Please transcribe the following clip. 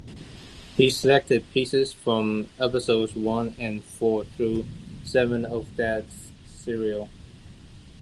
He selected pieces from episodes one and four through seven of that serial.